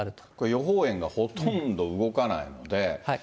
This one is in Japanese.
予報円がほとんど動かないので。